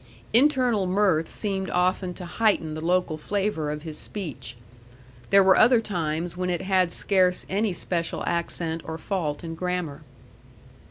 Internal mirth seemed often to heighten the local flavor of his speech. There were other times when it had scarce any special accent or fault in grammar.